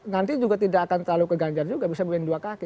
nanti juga tidak akan terlalu ke ganjar juga bisa bayang dua kaki